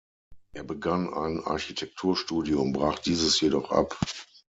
Er begann ein Architekturstudium, brach dieses jedoch ab.